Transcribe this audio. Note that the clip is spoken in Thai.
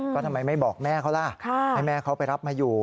ก็ทำไมไม่บอกแม่เขาล่ะให้แม่เขาไปรับมาอยู่